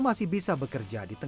dalam piste masker kain